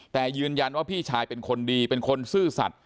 แต่ยืนยันว่าพี่ชายเป็นคนดีเป็นคนซื่อสัตว